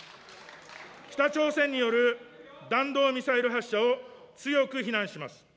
北朝鮮による弾道ミサイル発射を強く非難します。